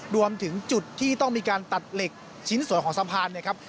รวมถึงจุดที่ต้องมีการตัดเหล็กชิ้นส่วนของสะพานเนี่ยครับ